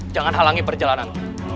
jangan halangi perjalananku